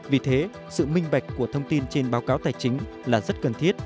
vì thế sự minh bạch của thông tin trên báo cáo tài chính là rất cần thiết